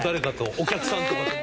お客さんとかとも。